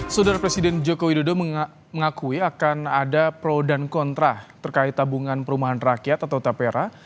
saudara presiden joko widodo mengakui akan ada pro dan kontra terkait tabungan perumahan rakyat atau tapera